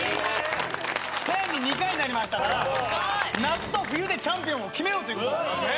年に２回になりましたから夏と冬でチャンピオンを決めようということでございますね！